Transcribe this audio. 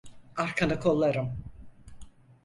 Arkanı kollarım.